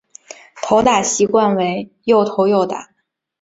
投打习惯为右投右打。